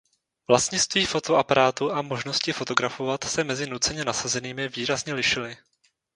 Vlastnictví fotoaparátu a možnosti fotografovat se mezi nuceně nasazenými výrazně lišily.